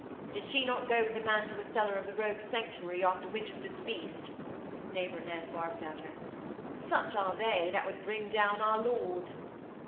'Did she not go with a man to a cellar of the Rogues' Sanctuary after Winchester's feast?' Neighbour Ned barked at her. 'Such are they that would bring down our Lord!'